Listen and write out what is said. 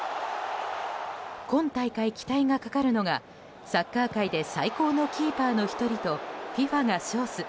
今大会、期待がかかるのがサッカー界最高のキーパーの１人とＦＩＦＡが称す